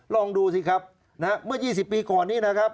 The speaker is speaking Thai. ลองดูสิครับเมื่อ๒๐ปีก่อนนี้นะครับ